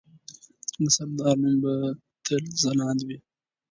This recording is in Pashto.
د سردار نوم به تل ځلانده وي.